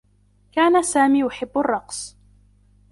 كان سامي يحبّ الرّقص.